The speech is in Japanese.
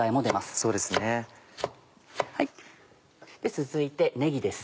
続いてねぎです。